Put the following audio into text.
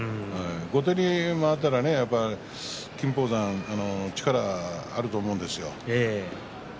後手に回ったら金峰山力があると思うんですよ。